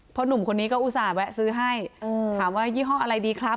หนุ่มคนนี้ก็อุตส่าห์แวะซื้อให้ถามว่ายี่ห้ออะไรดีครับ